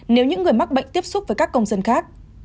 nếu những người mắc bệnh tiếp xúc với các công dân khác